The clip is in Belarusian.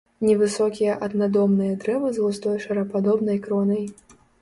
Невысокія аднадомныя дрэвы з густой шарападобнай кронай.